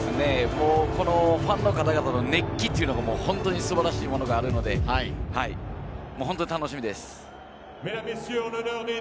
ファンの方々の熱気というのが本当に素晴らしいものがあるので、本当に楽しみです。